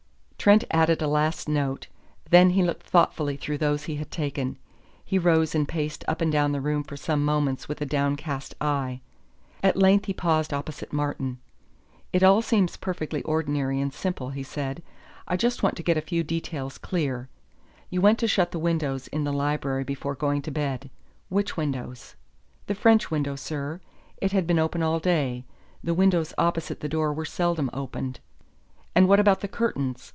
Trent added a last note; then he looked thoughtfully through those he had taken. He rose and paced up and down the room for some moments with a downcast eye. At length he paused opposite Martin. "It all seems perfectly ordinary and simple," he said. "I just want to get a few details clear. You went to shut the windows in the library before going to bed. Which windows?" "The French window, sir. It had been open all day. The windows opposite the door were seldom opened." "And what about the curtains?